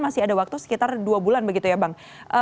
masih ada waktu sekitar dua bulan begitu ya bang